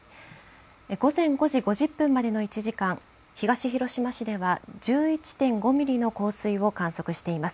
午前５時５０分までの１時間、東広島市では１１．５ミリの降水を観測しています。